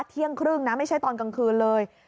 เที่ยงครึ่งนะไม่ใช่ตอนกลางคืนเลย